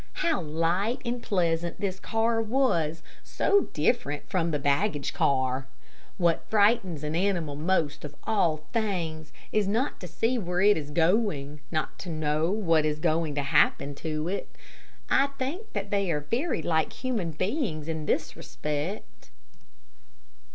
How light and pleasant this car was so different from the baggage car. What frightens an animal most of all things, is not to see where it is going, not to know what is going to happen to it. I think that they are very like human beings in this respect.